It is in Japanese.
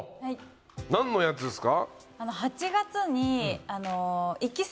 何のやつですか？